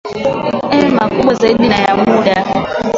eeh makubwa zaidi na ya muda